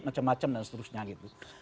macam macam dan seterusnya gitu